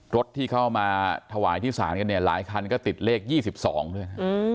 รถที่เข้ามาถวายที่ศาลกันเนี่ยหลายคันก็ติดเลข๒๒ด้วย